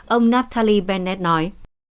ông natali bennett nói